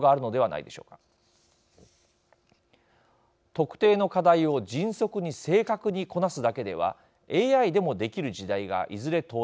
特定の課題を迅速に正確にこなすだけではＡＩでもできる時代がいずれ到来するでしょう。